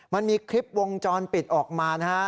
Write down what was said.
มันมีคลิปวงจรปิดออกมานะฮะ